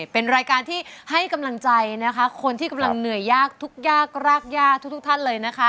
เป็นรายการที่ให้กำลังใจคนที่เหนื่อยยากทุกท่านเลย